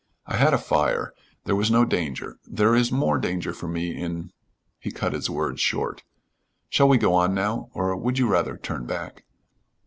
"I had a fire. There was no danger. There is more danger for me in " he cut his words short. "Shall we go on now? Or would you rather turn back?"